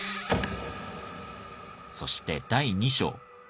そして第２章。